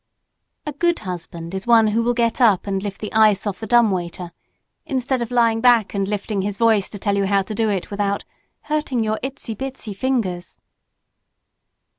A good husband is one who will get up and lift the ice off the dumbwaiter instead of lying back and lifting his voice to tell you how to do it without "hurting your itsy bitsy fingers."